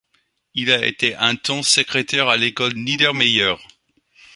Il a été un temps secrétaire à l'école Niedermeyer.